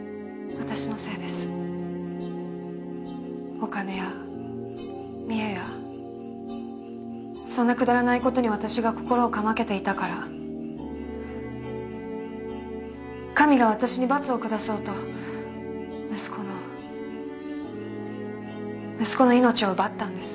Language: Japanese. お金や見栄やそんなくだらない事に私が心をかまけていたから神が私に罰を下そうと息子の息子の命を奪ったんです。